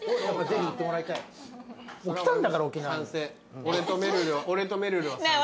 俺とめるるは賛成。